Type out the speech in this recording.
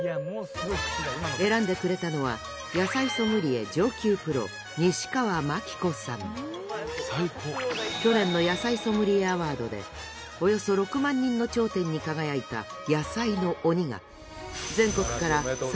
選んでくれたのは去年の野菜ソムリエアワードでおよそ６万人の頂点に輝いた野菜の鬼が。